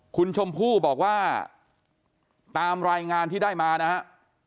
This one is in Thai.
คุณชมพู่บอกว่าตามรายงานที่ได้มานะฮะ